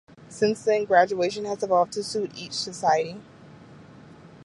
Since then, graduation has evolved to suit each society.